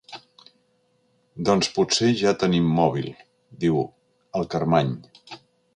Doncs potser ja tenim mòbil —diu el Carmany.